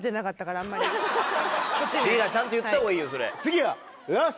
リーダーちゃんと言った方がいいよそれ。